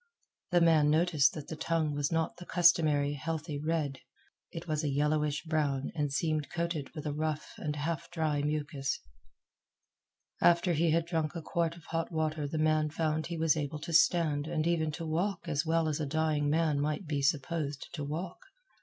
The man noticed that the tongue was not the customary healthy red. It was a yellowish brown and seemed coated with a rough and half dry mucus. After he had drunk a quart of hot water the man found he was able to stand, and even to walk as well as a dying man might be supposed to walk.